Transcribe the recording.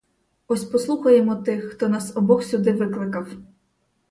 Ось послухаємо тих, хто нас обох сюди викликав.